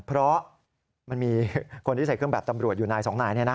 เพราะมันมีคนที่ใส่เครื่องแบบตำรวจอยู่นายสองนาย